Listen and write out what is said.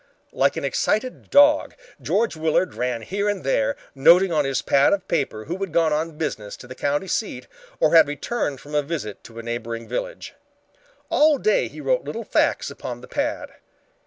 Like an excited dog, George Willard ran here and there, noting on his pad of paper who had gone on business to the county seat or had returned from a visit to a neighboring village. All day he wrote little facts upon the pad.